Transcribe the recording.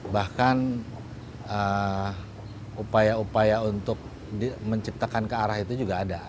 bahkan upaya upaya untuk menciptakan kearah itu juga ada